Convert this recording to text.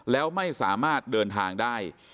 แล้วไม่สามารถเดินทางได้